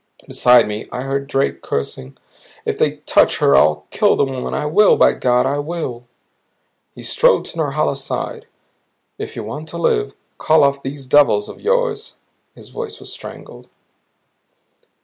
Beside me I heard Drake cursing. "If they touch her I'll kill the woman! I will, by God I will!" He strode to Norhala's side. "If you want to live, call off these devils of yours." His voice was strangled.